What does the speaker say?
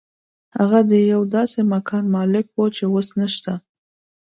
هغه د یو داسې مکان مالک و چې اوس نشته